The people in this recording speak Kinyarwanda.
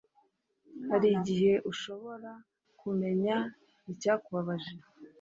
hari igihe ushobora kumenya icyakubabaje